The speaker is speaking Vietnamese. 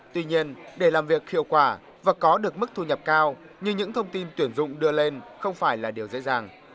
tuy nhiên để làm việc hiệu quả và có được mức thu nhập cao như những thông tin tuyển dụng đưa lên không phải là điều dễ dàng